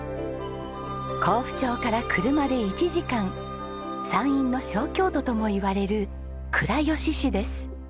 江府町から車で１時間山陰の小京都ともいわれる倉吉市です。